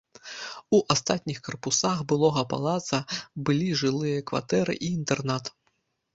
У астатніх карпусах былога палаца былі жылыя кватэры і інтэрнат.